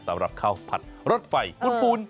สำหรับข้าวผัดรถไฟปูน